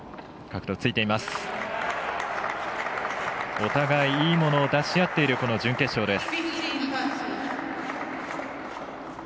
お互いいいものを出し合っているこの準決勝です。